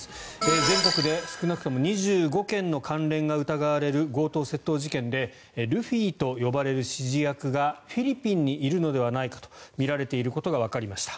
全国で少なくとも２５件の関連が疑われる強盗・窃盗事件でルフィと呼ばれる指示役がフィリピンにいるのではないかとみられていることがわかりました。